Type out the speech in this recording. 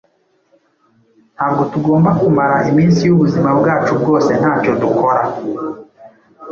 Nta bwo tugomba kumara iminsi y’ubuzima bwacu bwose nta cyo dukora